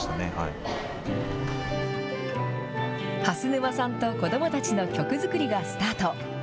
蓮沼さんと子どもたちの曲作りがスタート。